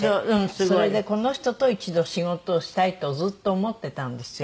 それで「この人と一度仕事をしたい」とずっと思ってたんですよ。